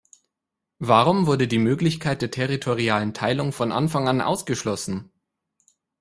Warum wurde die Möglichkeit der territorialen Teilung von Anfang an ausgeschlossen?